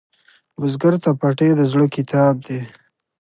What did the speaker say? بزګر ته پټی د زړۀ کتاب دی